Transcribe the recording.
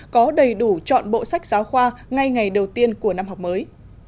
có đầy đủ chọn bộ sách giáo khoa ngay ngày đầu tiên của năm học mới